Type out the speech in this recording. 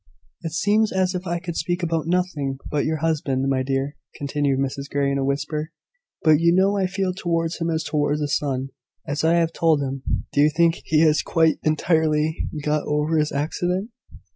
"It seems as if I could speak about nothing but your husband, my dear," continued Mrs Grey, in a whisper: "but you know I feel towards him as towards a son, as I have told him. Do you think he has quite, entirely, got over his accident?"